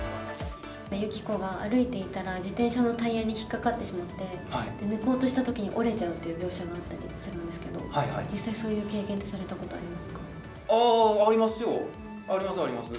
ユキコが歩いていたら、自転車のタイヤに引っ掛かってしまって、抜こうとしたときに折れちゃうっていう描写があったりとかするんですけど、実際、そういああ、ありますよ。